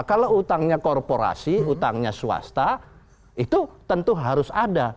kalau utangnya korporasi utangnya swasta itu tentu harus ada